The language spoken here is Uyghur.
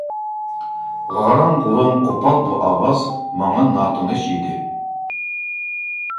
غاراڭ-غۇرۇڭ، قوپال بۇ ئاۋاز ماڭا ناتونۇش ئىدى.